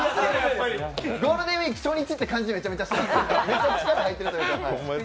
ゴールデンウイーク初日という感じがめちゃめちゃしてるんです。